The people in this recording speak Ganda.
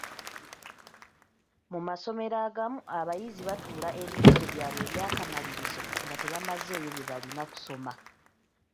Mu masomero agamu abayizi batuula ebigezo byabwe eby'akamalirizo nga tebamazeeyo bye balina kusoma.